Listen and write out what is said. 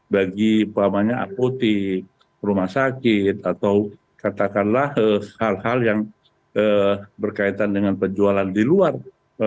bagi apotik rumah sakit atau katakanlah hal hal yang berkaitan dengan penjualan di luar